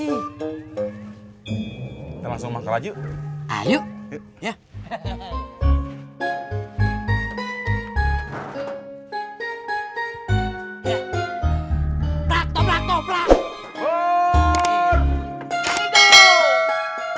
kita langsung makan aja yuk